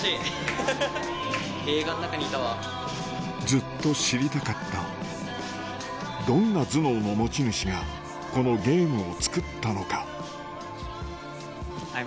ずっと知りたかったどんな頭脳の持ち主がこのゲームをつくったのかハハハ。